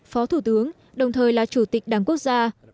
phó thủ tướng đồng thời là chủ tịch đảng quốc gia